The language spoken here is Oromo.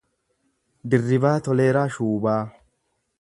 Dirribaa Toleeraa Shuubaa